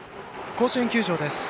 甲子園球場です。